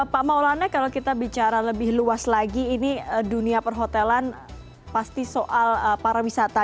pak maulana kalau kita bicara lebih luas lagi ini dunia perhotelan pasti soal pariwisata